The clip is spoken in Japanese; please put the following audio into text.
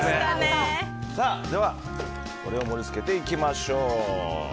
ではこれを盛り付けていきましょう。